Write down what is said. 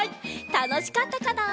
たのしかったかな？